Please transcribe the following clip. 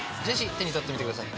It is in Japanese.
手に取ってみてください